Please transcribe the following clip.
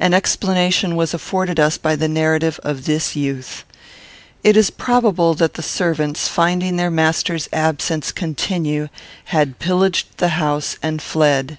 An explanation was afforded us by the narrative of this youth. It is probable that the servants, finding their master's absence continue, had pillaged the house and fled.